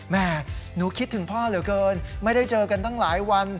แม่หนูคิดถึงพ่อเหลือเกินไม่ได้เจอกันตั้งหลายวัน